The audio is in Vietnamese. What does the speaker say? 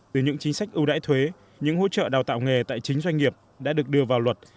từ những chính sách ưu đãi thuế những hỗ trợ đào tạo nghề tại chính doanh nghiệp đã được đưa vào luật